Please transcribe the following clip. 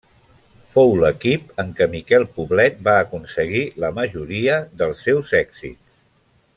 Fou l'equip en què Miquel Poblet va aconseguir la majoria dels seus èxits.